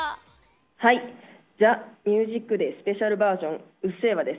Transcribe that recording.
はい、ＴＨＥＭＵＳＩＣＤＡＹスペシャルバージョン、うっせぇわです。